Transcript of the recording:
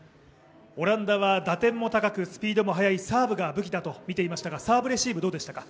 オランダは打点も高くスピードが速いサーブがポイントだとみていましたがサーブレシーブ、どうでしたか？